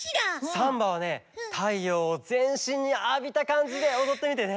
サンバはねたいようをぜんしんにあびたかんじでおどってみてね！